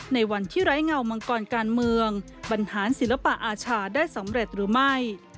ในวันที่ไร้เงามังกรการเมืองบรรหารศิลปะอาชาได้สำเร็จหรือไม่